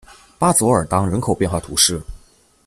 巴佐尔当人口变化图示